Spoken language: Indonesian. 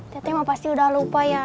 teh emang pasti udah lupa ya